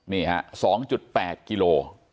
นี่ฮะ๒๘กิโล